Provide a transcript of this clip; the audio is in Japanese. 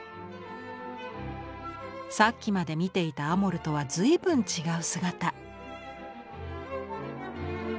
さっきまで見ていたアモルとは随分違う姿。